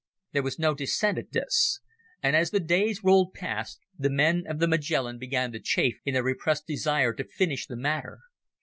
There was no dissent at this. And as the days rolled past, the men of the Magellan began to chafe in their repressed desire to finish the matter.